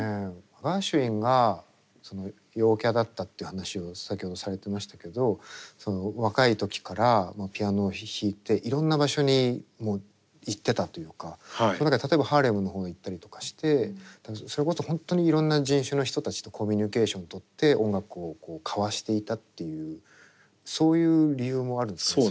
ガーシュウィンが陽キャだったって話を先ほどされてましたけど若い時からピアノを弾いていろんな場所にもう行ってたというか例えばハーレムの方へ行ったりとかしてそれこそ本当にいろんな人種の人たちとコミュニケーションとって音楽を交わしていたっていうそういう理由もあるんですかね。